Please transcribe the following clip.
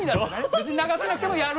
別に流さなくてもやる。